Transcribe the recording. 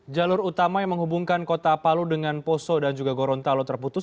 jalur utama yang menghubungkan kota palu dengan poso dan juga gorontalo terputus